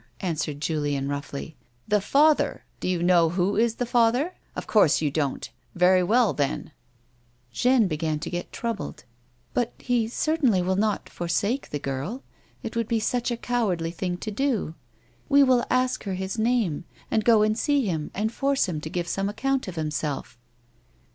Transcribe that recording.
answered Julien, roughly; "the father! Do you know who is the father 1 Of course you don't. Very well, then ?" Jeanne began to get troubled :" But he certainly will not forsake the girl, it would be such a cowardly thing to do. We will ask her his name, and go and see him and force him to give some account of himself."